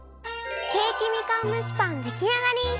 ケーキみかん蒸しパンできあがり！